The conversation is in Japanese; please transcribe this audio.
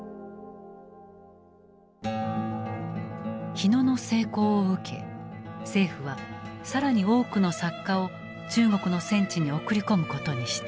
火野の成功を受け政府は更に多くの作家を中国の戦地に送り込むことにした。